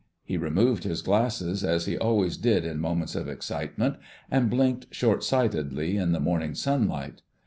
He removed his glasses, as he always did in moments of excitement, and blinked short sightedly in the morning sunlight.